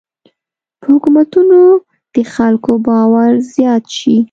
په حکومتونو د خلکو باور زیات شي.